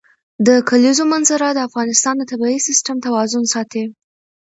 د کلیزو منظره د افغانستان د طبعي سیسټم توازن ساتي.